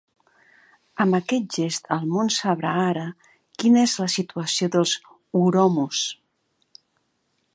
Amb aquest gest el món sabrà ara quina és la situació dels oromos.